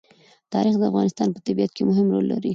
تاریخ د افغانستان په طبیعت کې مهم رول لري.